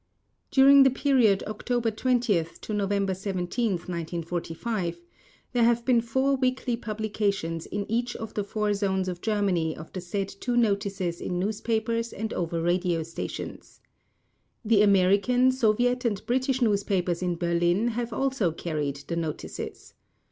During the period October 20th to November 17th 1945 there have been four weekly publications in each of the four Zones of Germany of the said two notices in newspapers and over radio stations. The American, Soviet and British newspapers in Berlin have also carried the notices.